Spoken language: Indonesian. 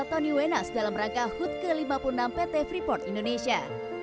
tony wenas dalam rangka hut ke lima puluh enam pt freeport indonesia